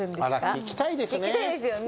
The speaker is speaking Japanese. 聞きたいですよね。